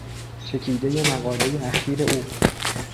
چکیدهی مقالهی اخیر او